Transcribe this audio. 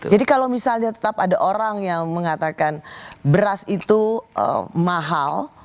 jadi kalau misalnya tetap ada orang yang mengatakan beras itu mahal